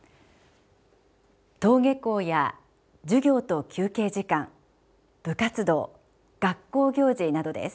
登下校や授業と休憩時間部活動学校行事などです。